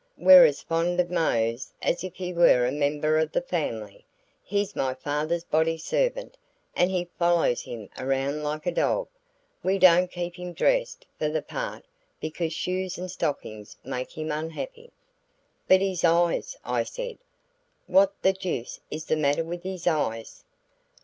We're as fond of Mose as if he were a member of the family. He's my father's body servant and he follows him around like a dog. We don't keep him dressed for the part because shoes and stockings make him unhappy." "But his eyes," I said. "What the deuce is the matter with his eyes?"